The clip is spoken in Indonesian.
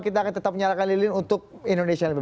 kita akan tetap menyalakan lilin untuk indonesia